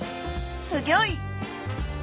すギョい！